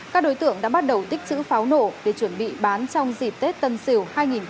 các đối tượng đã bắt đầu tích chữ pháo nổ để chuẩn bị bán trong dịp tết tân sỉu hai nghìn hai mươi một